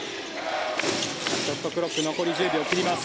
ショットクロック残り１０秒切ります。